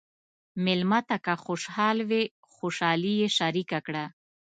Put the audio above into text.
مېلمه ته که خوشحال وي، خوشالي یې شریکه کړه.